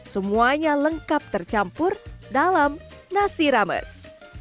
semuanya lengkap tercampur dalam nasi rames